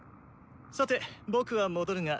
さて僕は戻るが。